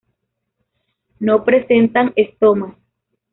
No presentan estomas.